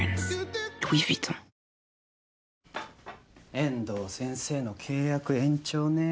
遠藤先生の契約延長ねぇ。